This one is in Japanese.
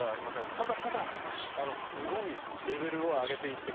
ただただすごいレベルを上げていってる。